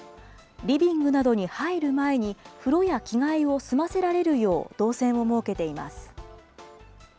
リビングなどに入る前に、風呂や着替えを済ませられるよう、動線を設けています。